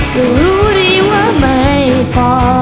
กูรู้ดีว่าไม่พอ